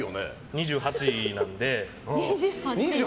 ２８なんで。